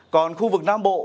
còn khu vực nam bộ